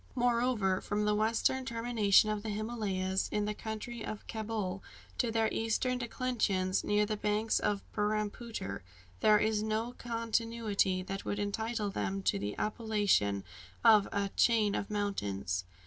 Moreover, from the western termination of the Himalayas, in the country of Cabul, to their eastern declension near the banks of the Burrampooter, there is no continuity that would entitle them to the appellation of a "chain of mountains."